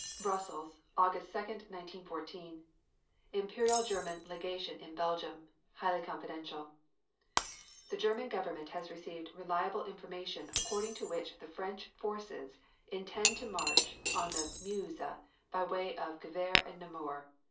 BRUSSELS, 2d August, 1914. IMPERIAL GERMAN LEGATION IN BELGIUM (Highly confidential) The German Government has received reliable information according to which the French forces intend to march on the Meuse, by way of Givet and Namur.